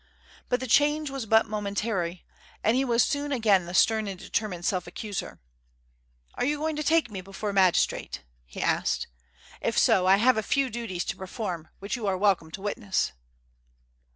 But the change was but momentary, and he was soon again the stern and determined self accuser. "Are you going to take me before a magistrate?" he asked. "If so, I have a few duties to perform which you are welcome to witness."